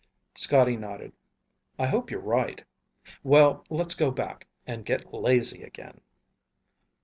Scotty nodded. "I hope you're right. Well, let's go back and get lazy again."